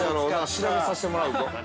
調べさせてもらうぞ。